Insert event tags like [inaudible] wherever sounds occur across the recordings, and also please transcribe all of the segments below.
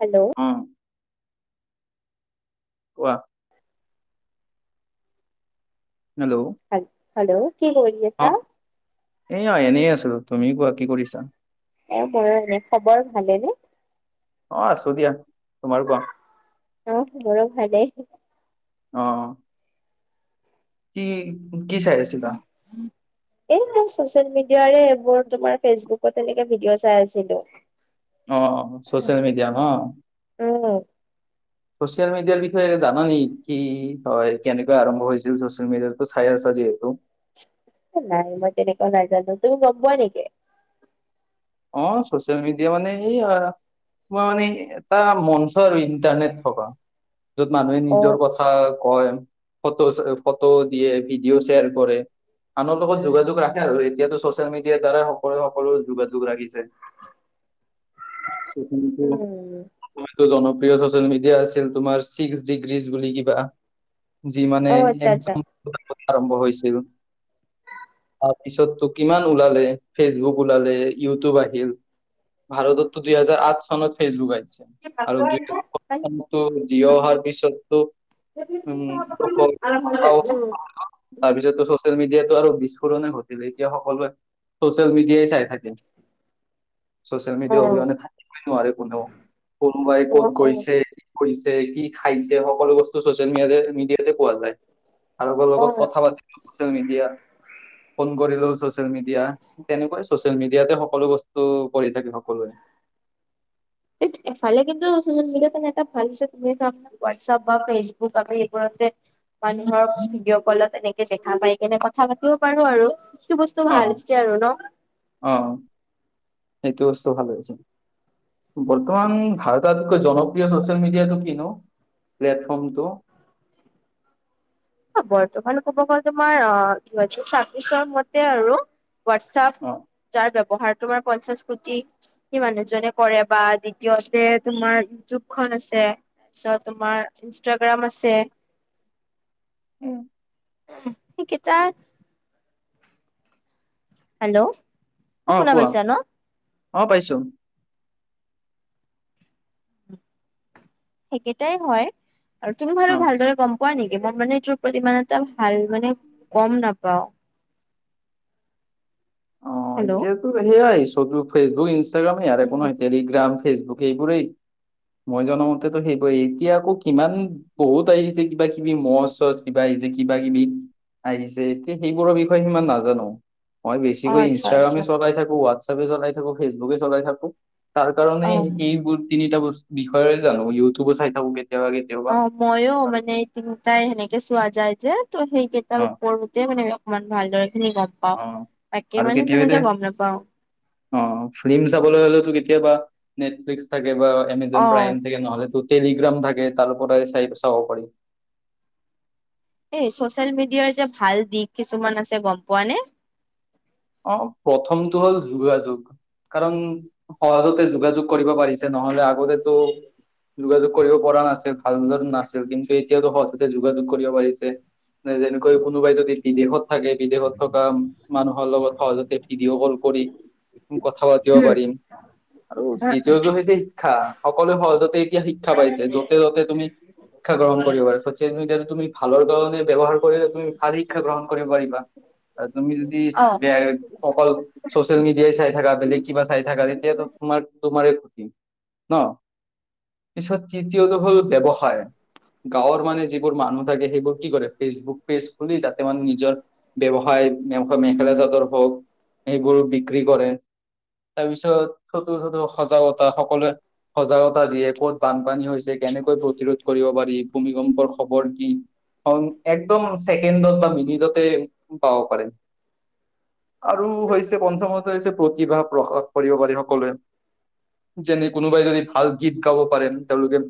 Hello উম কোৱা hello hello কি কৈ অ এইয়া এনেই আছিলোঁ তুমি কোৱা কি কৰিছা? এ মইয়ো এনে খবৰ ভালে নে? অ আছোঁ দিয়া তোমাৰ কোৱা অ মোৰো ভালেই অ অ এ কি চাই আছিলা? [unintelligible] এই মোৰ চচিয়েল মিডিয়াৰে এইবোৰ তোমাৰ ফেচবুকত এনেকে ভিডিঅ' চাই আছিলোঁ অ অ চ'চিয়েল মিডিয়া ন উম চচিয়েল মিডিয়াৰ বিষয়ে জানা নে কি হয় কেনেকৈ আৰম্ভ হৈছিল ছচিয়েল মিডিয়াতো চাই আছা যিহেতু নাই মই তেনেকুৱা নাজানোঁ তুমি গম পোৱা নেকি? অ চ'চিয়েল মিডিয়া মানে সেইয়া তোমাৰ মানে এটা মঞ্চ ইণ্টাৰনেট থকা য'ত মানুহে অ নিজৰ কথা কয় ফ ফটো দিয়ে ভিডিঅ' শ্বেয়াৰ কৰে আনৰ লগত যোগযোগ ৰাখে আৰু এতিয়াটো ছ'চিয়েল মিডিয়াৰ দ্বাৰাই সকলো সকলো যোগাযো যোগ ৰাাখিছে সেইখিনিটো উম টো জনপ্ৰিয় চচিয়েল মিডিয়া আছিল তোমাৰ ছিক্স ডিগিজ বুলি কিবা যি অ মানে আচ্ছা আচ্ছা একদম প্ৰথমতে আৰম্ভ হৈছিল তাৰ পিছত তো কিমান ওলালে ফেচবুক ওলালে ইউটিউব আহিল ভাৰততো দুইহেজাৰ আঠ চনত ফেচবুক আহিছে আৰু দুই জিয় অহাৰ পিছতো উম [unintelligible] তাৰপিছততো ছচিয়েল মিডিয়াতো আৰু বিস্ফোৰণে ঘটিলে এতিয়া সকলোৱে চচিয়েল মিডিয়াই চাই থাকে চচিয়েল অ মিডিয়া অবিহনে থাকিবই নোৱাৰে কোনেও কোনোবাই অ ক'ত অ গৈছে গৈছে কি খাইছে সকলো বস্তু চচিয়েল মিডিয়াতে পোৱা যায় কাৰোবাৰ অ লগত কথা পাতি চচিয়েল মিডিয়া ফোন কৰিলেওঁ চচিয়েল মিডিয়া তেনেকৈ চচিয়েল মিডিয়াতে সকলো বস্তু কৰি থাকে সকলোৱে এ [unintelligible] ফালে কিন্তু সুজন মিল নাই ফাল চ হোৱাটছআপ বা ফেচবুক আমি এইবোৰতে মানুহৰ ভিডিঅ' কলত তেনেকে দেখা পাই কেনে কথা পাতিব পাৰো আৰু এইটো বস্তু ভাল হৈছে আৰু ন অহ সেইটো বস্তু ভালে হৈছে বৰ্তমান ভাৰতৰ আতাইটকৈ জনপ্ৰিয় চচিয়েল মিডিয়াটো কি নো প্লেটফৰ্মটো অহ বৰ্তমান ক'ব গ'লে মই অহ দুই হাজাৰ চাবিচৰ মতে আৰু হোৱাটছপ অ যাৰ ব্যৱহাৰ তোমাৰ পঞ্চাশ কোটি কি মানুহজনে কৰে বা দ্বিতীয়তে তোমাৰ ইউটিউব খন আছে তাৰপিছত তোমাৰ ইনষ্টাগ্ৰাম আছে উম সেইকেইটা হেল্লো' অহ কোৱা অহ পাইছোঁ সেইকেইটাই হয় আৰু তুমি বাৰু অ ভালদৰে গম পোৱা নেকি মই মানে যোৰ প্ৰতি মানে এটা ভাল মানে গম নাপাওঁ অ হেল্ল' এতিয়াতো সেয়াই চব তোৰ ফেচবুক ইনষ্টাগ্ৰামেই আৰু একো উম নহয় টেলিগ্ৰাম ফেচবুক, এইবোৰেই মই জানা মতে সেইবোৰে। এতিয়া আকৌ কিমান- বহুত আহিছে কিবা কিবি মচ- চচ কিবা আহিছে, কিবা কিবি! আহিছে, এতিয়া সেইবোৰৰ বিষয়ে সিমান নাজানো। মই বেছি- তিকো অ' আচ্ছা ইনষ্টাগ্ৰামে আচ্ছা চলাই থাকো, হোৱাটছাপে চলাই থাকো, ফেচবুকে চলাই থাকো। তাৰ কাৰণে অ' এইবোৰ তিনিটা বস্তু বিষয়ে জানো, ইউটিউবো চাই থাকো কেতিয়াবা কেতিয়াবা। অহ মইও আৰু মানে এইতিনিটাই সেনেকে চোৱা যায় যে তো অ সেইকেইটাৰ ওপৰতে মানে- অকমান ভালদৰে খিনি গম পাওঁ, অ বাকী মানে সিমান এটা গম নাপাওঁ। অহ ফিল্ম চাবলৈ হ'লেটো কেতিয়াবা নেটফ্লিক্স থাকে বা এমেজন অ প্ৰাইম থাকে নহলেতো- টেলিগ্ৰাম থাকে তাৰপৰাই চাই চাব পাৰি। এই চচিয়েল মিডিয়াৰ যে ভাল দিশ কিছুমান আছে গম পোৱা নে? অহ, প্ৰথমটো হ'ল যোগাযোগ। কাৰণ সহজতে যোগাযোগ কৰিব পাৰিছে, নহলে আগ- আগতেতো যোগাযোগ কৰিব পৰা নাছিল, ভাল ধৰে নাছিল। কিন্তু এতিয়া- এতিয়াটো সহজতে যোগাযোগ কৰিব পাৰিছে। যেনেকৈ কোনোবাই যদি বিদেশত থাকে, বিদেশত থকা মানুহৰ লগত- সহজতে ভিডিঅ' কল কৰি- কথা পাতিব পাৰি উম আৰু দ্বিতীয়টো হৈছে শিক্ষা। সকলো সহজতে- এতিয়া শিক্ষা পাইছে, য'তে- ত'তে তুমি শিক্ষা গ্ৰহণ কৰিব পাৰিবা। চচিয়েল মিডিয়াতো তুমি ভালৰ কাৰণে ব্যৱহাৰ কৰিলে তুমি ভাল শিক্ষা গ্ৰহণ কৰিব পাৰিবা আৰু তুমি যদি- ত্ৰিশ- অ অকল চচিয়েল মিডিয়াই চাই থাকা, বেলেগ কিবা চাই থাকা তেতিয়াতো তোমাৰ -তোমাৰে ক্ষতি। ন। পিছত তৃতীয়টো হ'ল ব্যৱসায়। গাঁৱৰ মানে যিবোৰ মানুহ থাকে সেইবোৰ কি কৰে? ফেচবুক পেজ খুলি তাতে মানে নিজৰ- ব্যৱসায় মেখেলা -চাদৰ হওঁক সেইবোৰ বিক্ৰী কৰে। তাৰপিছত ফটো -চতু সজাগতা সকলোৱে- সজাগতা দিয়ে, ক'ত বানপানী হৈছে, কেনেকৈ প্ৰতিৰোধ কৰিব পাৰি, ভূমিকম্পৰ খবৰ কি? খন একদম ছেকেণ্ডত বা মিনিটতে পাব পাৰে। আৰু হৈছে পঞ্চমতে হৈছে প্ৰতিভা প্ৰকাশ কৰিব পাৰি সকলোৱে। যেনে কোনোবাই যদি ভাল গীত গাব পাৰে, তেওঁলোকে-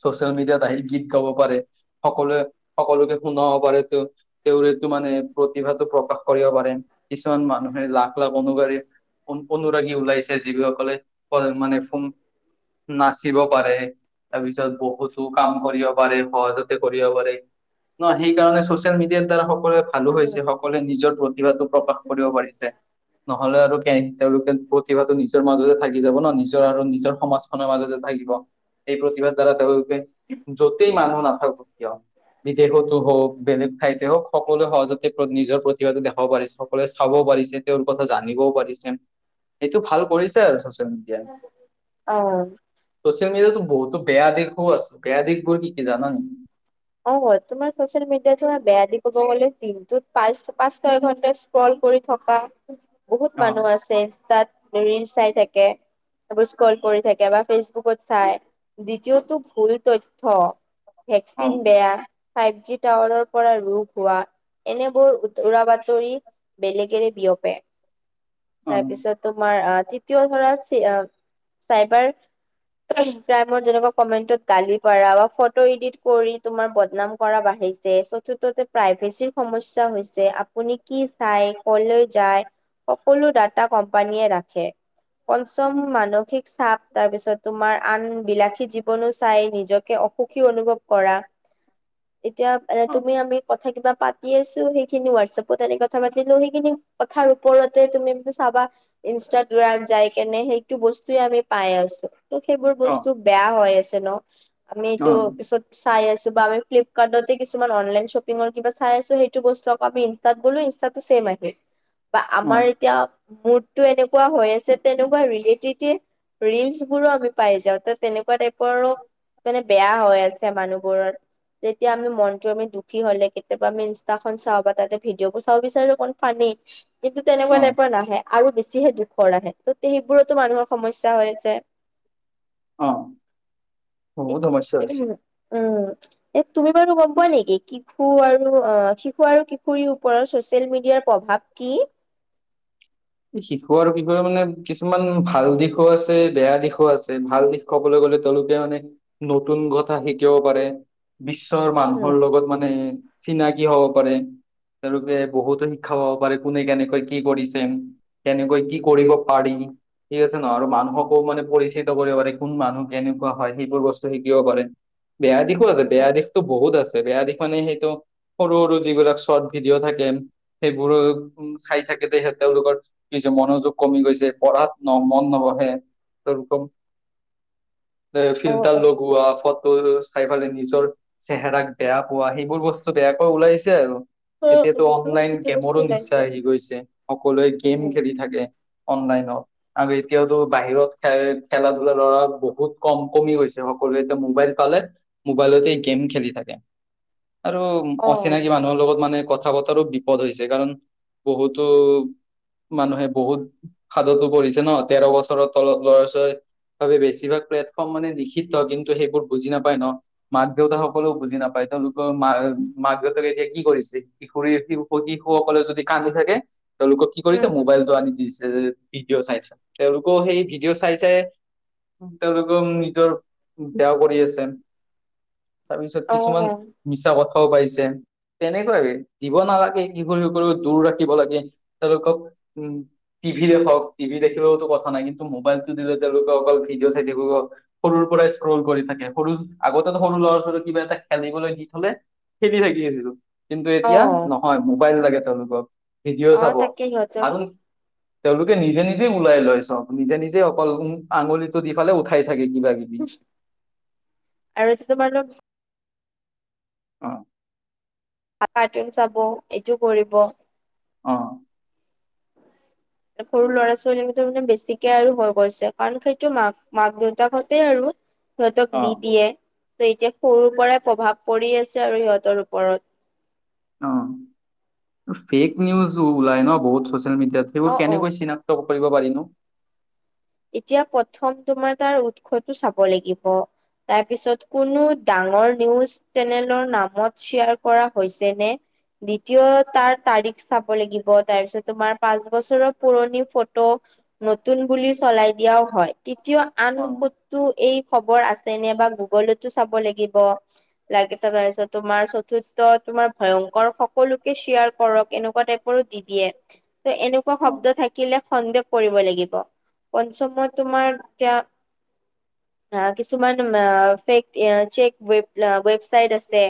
ছচিয়েল মিডিয়াত আহি গীত গাব পাৰে। সকলোৱে সকলোকে শুনাব পাৰে, তেওঁ তেওঁৰ এইটো মানে প্ৰতিভাটো প্ৰকাশ- কৰিব পাৰে। কিছুমান মানুহে লাখ লাখ অনুগামি- অনুৰাগী ওলাইছে, যিসকলে মানে ফোন- নাচিব পাৰে। তাৰপিছত বহুতো কাম কৰিব পাৰে, সহজতে কৰিব পাৰে। ন, সেইকাৰণে চচিয়েল মিডিয়াৰ দ্বাৰা সকলোৱে ভালো হৈছে, সকলোৱে নিজৰ- প্ৰতিভাটো প্ৰকাশ কৰিব পাৰিছে। নহ'লে আৰু তেওঁলোকে প্ৰতিভাটো নিজৰ মাজতে থাকি যাব ন, নিজৰ আৰু নিজৰ সমাজ- মাজতে থাকিব। এই প্ৰতিভাৰ দ্বাৰা তেওঁলোকে যতেই মানুহ নাথাকক কিয়- বিদেশতো হওঁক, বেলেগ ঠাইতে হওঁক সকলোৱে সহজতে নিজৰ প্ৰতি- দেখাবও পাৰিছে, সকলোৱে চাব পাৰিছে, তেওঁৰ কথা জানিবও পাৰিছে। এইটো ভাল কৰিছে আৰু ছচিয়েল মিডিয়াই। অ চ'চিয়েল মিডিয়াতো বহুতো বেয়া দিশো আছে। বেয়া দিশবোৰ কি জানা নেকি? অঁ, তোমাৰ চচিয়েল মিডিয়াত তোমাৰ বেয়া দিশ কব গ'লে দিনটোত পাঁচ- পাঁচ, ছয় ঘন্টা স্ক্ৰল কৰি থকা। বহুত অ', মানুহ আছে তাত ৰিলছ চাই থাকে। সেইবোৰ স্ক্ৰল কৰি থাকে বা ফেচবুকত চাই। দ্বিতীয়টো ভুল তথ্য অ', ভেকচিন বেয়া। ফাইভ জি টাৱাৰৰ পৰা ৰোগ হোৱা এনেবোৰ উৰা বাতৰি বেলেগেৰে বিয়পে। অ', তাৰপিছত তোমাৰ আহ' তৃতীয় ধৰা চাইবাৰ প্ৰাইম যেনেকা কমেন্টত গালি পাৰা বা ফটো এডিট কৰি তোমাৰ বদনাম কৰা বাঢ়িছে, চতুৰ্থতে প্ৰাইভেচিৰ সমস্যা হৈছে- আপুনি কি চাই কলৈ যায় সকলো ডাটা কোম্পানীয়ে ৰাখে। পঞ্চম মানসিক চাপ তাৰপিছত তোমাৰ আন বিলাসী জীৱনো চাই নিজকে অসুখী অনুভৱ কৰা। এতিয়া এ অ', তুমি আমি কথা কিবা পা তি আছোঁ সেইখিনি হোৱাটছএপত এনে কথা পাতিলো সেইখিনি কথাৰ ওপৰতে তুমি চাবা ইনষ্টাগ্ৰামত যাই কেনে সেইটো বস্তু আমি পাই আছোঁ। ত' সেইবোৰ বস্তু বেয়া হৈ আছে ন' আমিটো অ', পিছত চাই আছো বা আমি ফ্লিপকাৰ্ট তে কিছুমান অনলাইন শ্বপিঙৰ কিবা চাই আছো সেইটো বস্তু আকৌ আমি তাত বোলো ইনষ্টাটো ছেম আহে। [unintelligible] বা আমাৰ এতিয়া মুডটো এনেকুৱা হৈ আছে তেনেকুৱা ৰিলেটিতে ৰিলচ বোৰো আমি পাই যাওঁ। ত' তেনেকুৱা টাইপৰো মানে বেয়া হৈ আছে- মানুহবোৰৰ। যেতিয়া আমি মনটো আমি দুখী হ'লে কেতিয়াবা আমি ইনষ্টাখন চাওঁ বা তাতে ভিডিঅ' বোৰ চাব বিচাৰো অকল। পানীত কিন্তু তেনেকোৱা অ', টাইপৰ নাহে। আৰু বেছিহে দুখৰ আহে ত' সেইবোৰতো মানুহৰ সমস্যা হৈ আছে। অ', এ বহুত সমস্যা হৈছে। [unintelligible] [unintelligible] এ তুমি বাৰু গম পোৱা নেকি কি- শিশু আৰু অঁ' শিশু আৰু কিশোৰীৰ ওপৰৰ ছ'চিয়েল মিডিয়াৰ প্ৰভাৱ কি? এই শিশু আৰু কিশোৰৰ মানে কিছুমান ভাল দিশো আছে বেয়া দিশো আছে। ভাল দিশ ক'বলৈ গ'লে তেওঁলোকে মানে নতুন কথা শিকিব পাৰে। বিশ্বৰ উম মানুহৰ লগত মানে- চিনাকি হ'ব পাৰে, তেওঁলোকে বহুতো শিক্ষা পাব পাৰে কোনে কেনেকৈ কি কৰিছে, - কেনেকৈ কি কৰিব পাৰি, ঠিক আছে নহ' আৰু মানুহকো মানে পৰি চিত কৰিব পাৰে কোন মানুহ কেনেকুৱা হয় সেইবোৰ বস্তু শিকিব পাৰে, বেয়া দিশো আছে বেয়া দিশ বহুত আছে, বেয়া দিশ মানে সেইটো সৰু সৰু যিবিলাক চৰ্ট ভিডিঅ' থাকে- সেইবোৰো উমঁ' চাই থাকেতে সেই তেওঁলোকৰ কিছু মনোযোগ কমি গৈছে, পঢ়াত মন নবহে- এ অ অ ফিল্টাৰ অ লগোৱা, ফটো চাই পালে নিজৰ চেহেৰাক বেয়া পোৱা সেইবোৰ বস্তু বেয়াকৈ ওলাইছে আৰু। এতিয়াতো অনলাইন সেইটো বস্তু গেমৰো নিচা ওলাইছে। আহি গৈছে সকলোৱে গেম খেলি থাকে অনলাইনত। আৰু এতিয়াতো বাহিৰত খেলা-ধূলা ল'ৰা বহুত কম কমি গৈছে সকলোৱে এতিয়া মোবাইল পালে মোবাইলতে গেম খেলি থাকে আৰু- অ অচিনাকি মানুহৰ লগত মানে কথা বতাৰো বিপদ হৈছে। কাৰণ বহুতো- মানুহে বহুত সাদতো পৰিছে ন' তেৰ বছৰৰ তলত ল'ৰা ছোৱালী বাবে বেছিভাগ প্লেটফৰ্ম মানে নিষিদ্ধ কিন্তু সেইবোৰ বুজি নাপায় ন'। মাক দেউতাসকলেও বুজি নাপায় তেওঁলোকৰ মা মাক দেউতাকে এতিয়া কি কৰিছে? কিশোৰী শিশুসকলে যদি কান্দি থাকে, তেওঁলোকক কি উম কৰিছে মোবাইলটো আনি দি দিছে। ভিডিঅ' চাই থাক। তেওঁলোকেও সেই ভিডিঅ' চাই চাই তেওঁলোকেও নিজৰ বেয়া কৰি আছে, তাৰপিছত অ কিছুমান মিছা কথাও পাইছে, তেনেকুৱাই দিব নালাগে শিশু সকলক দূৰ ৰাখিব লাগে। তেওলোকক, উম। টিভিৰে হওক টিভি দেখিলওটো কথা নাই, কিন্তু মোবাইলটো দিলে তেওঁলোকে অকল ভিডিঅ' চাই থাকিব। সৰুৰ পৰাই স্ক্ৰল কৰি থাকে সৰু আগতে সৰু ল'ৰা ছোৱালীয়ে কিবা এটা খেলিবলৈ দি থলে খেলি থাকি আছিলো, কিন্তু অ এতিয়া নহয় মোবাইল লাগে তেওঁলোকক, ভিডিঅ' চাব। কি সিহঁতক উম। তেওঁলোকে নিজে নিজেই ওলাই লয় চ'ব নিজে অকল আঙুলিটো দি ফালে উঠাই থাকে, কিবা কিবি [unintelligible] আৰু [unintelligible] অৱ। কাৰ্টুন চাব, এইটো কৰিব। অৱ। সৰু ল'ৰা-ছোৱালীকেইটা মানে বেছিকে আৰু হৈ গৈছে, কাৰণ সেইটো মাক মাক দেউতাকতে আৰু। সিহঁতক অ দি দিয়ে ত এতিয়া সৰুৰ পৰাই প্ৰভাৱ পৰি আছে আৰু সিহঁতৰ ওপৰত। অৱ ফেক নিউজো ওলাই ন বহুত ছ'চিয়েল মিডিয়াত অ সেইবোৰ অ কেনেকৈ চিনাক ক্ত কৰিব পাৰি নো! এতিয়া প্ৰথম তোমাৰ তাৰ উৎসটো চাব লাগিব। তাৰ পিছত কোনো ডাঙৰ নিউজ চেনেলৰ নামত শ্বেয়াৰ কৰা হৈছে নে? দ্বিতীয় তাৰ তাৰিখ চাব লাগিব তাৰপিছত তোমাৰ পাঁচ বছৰৰ পুৰণি ফটো নতুন বুলি চলাই দিয়াও হয়, তেতিয়া আন অ', তো এই খবৰ আছে নে বা গুগলতো চাব লাগিব। লাইক এটা মাৰিছ তোমাৰ, চতুৰ্থ তোমাৰ ভয়ংকৰ সকলোকে শ্বেয়াৰ কৰক এনেকুৱা টাইপ ওপৰত দি দিয়ে ত' এনেকুৱা অ', শব্দ থাকিলে সন্দেহ কৰিব লাগিব। পঞ্চমত তোমাৰ তেতিয়া কিছুমান ফেক চেক ৱেবচাইট আছে।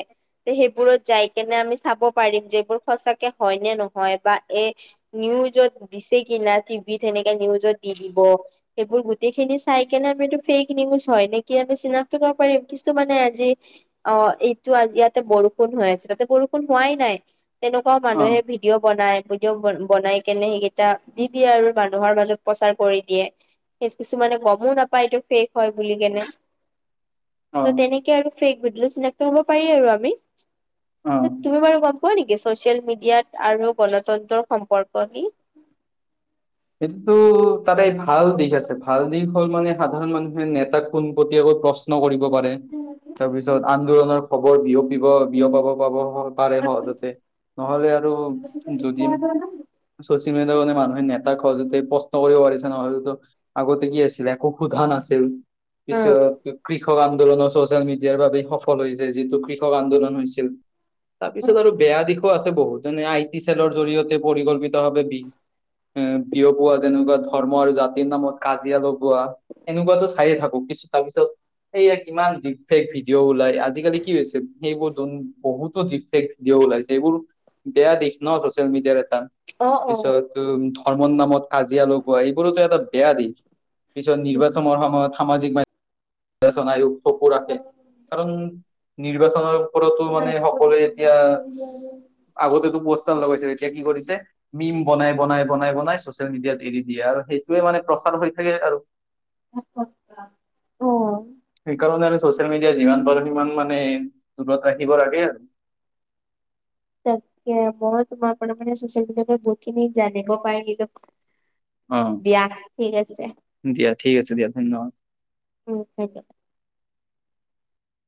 সেইবোৰত যাই কেনে আমি চাব পাৰিম যে এইবোৰ সচাকে হয় নে নহয় বা এই নিউজত দিছে কি না টিভিত সেনেকে নিউজত দি দিব। এইবোৰ গোটেইখিনি চাই কেনে আমি এইটো ফেইক নিউজ হয় নেকি আমি চিনাক্ত কৰিব পাৰিম কিছু মানে আজি অৱ এইটো আজি ইয়াতে বৰষুণ হৈ আছিল, তাতে বৰষুণ হোৱাই নাই, তেনেকুৱাও মানুহে অ', ভিডিঅ ভিডিঅ' বনাই ভিডিঅ' বনাই কেনে সেইকেইটা দি দিয়ে আৰু মানুহৰ মাজত প্ৰচাৰ কৰি দিয়ে। কিছুমানে গমো নাপায় এইটো ফে'ক হয় বুলি কেনে। ত' অ'। তেনেকে আৰু ফেক ভিডিঅ' চিনাক্ত কৰিব পাৰি আৰু আমি। অৱ। তুমি বাৰু গম পোৱা নেকি ছ'চিয়েল মিডিয়াত আৰু গণতন্ত্ৰৰ সম্পৰ্ক কি? সেইটোতো তাৰে এই ভাল দিশ আছে ভাল দিশ হ'ল মানে সাধাৰণ মানুহ নেতাক পোনপটীয়াকৈ প্ৰশ্ন কৰিব পাৰে, তাৰপিছত আন্দোলনৰ খবৰ বিয়পিব বিয়পাব পাব পাৰে সহজতে। নহ'লে আৰু যদি ছ'চিয়েল মিডিয়া মানুহে তাক সহজতে প্ৰশ্ন কৰিবও পাৰিছে নহলেতো আগতে কি আছিল একো সুধা নাছিল। উম, পিছত কৃষক আন্দোলনো ছ'চিয়েল মিডিয়াৰ বাবেই সফল হৈছে, যিটো কৃষক আন্দোলন হৈছিল। তাৰপিছত আৰু বেয়া দিশো আছে বহুত মানে আই টি চেলৰ জৰিয়তে পৰিকল্পিতভাৱ বিষ এ বিয়পোৱা যেনেকুৱা ধৰ্ম আৰু জাতিৰ নামত কাজিয়া লগোৱা। এনেকুৱাতো চাইয়ে থাকো। কিছু তাৰপিছত সেয়া কিমান ডিপ ফেক ভিডিঅ' ওলাই। আজিকালি কি হৈছে সেইবোৰ বহুতো ডিপ ফেক ভিডিঅ' ওলাইছে, এইবোৰ বেয়া দিশ ন ছচিয়েল মিডিয়াৰ এটা। অ', অ'। পিছত ধৰ্মৰ নামত কাজিয়া লগোৱা এইবোৰোতো এটা বেয়া দিশ। পিছত নিৰ্বাচনৰ সময়ত সামাজিক মাধ্যমত নিৰ্বাচন আয়োগ চকু ৰাখে। অ', কাৰণ নিৰ্বাচনৰ ওপৰতো মানে সকলোৱে এতিয়া আগতেতো পস্তাৰ লগাইছে। এতিয়া কি কৰিছে? মিম বনাই বনাই বনাই বনাই ছ'চিয়েল মিডিয়াত এৰি দিয়ে আৰু সেইটোৱেই মানে প্ৰচাৰ হৈ থাকে। আৰু [unintelligible] অ'। সেইকাৰণে আমি ছ'চিয়েল মিডিয়া যিমান পাৰো সিমান মানে দূৰত ৰাখিব লাগে। তাকে মই তোমাৰ [unintelligible] মানে ছ'চিয়েল মিডিয়া ওপৰত বহু খিনি জানিব পাৰিলো। অ দিয়া ঠিক আছে। দিয়া ঠিক আছে দিয়া ধন্যবাদ। [unintelligible]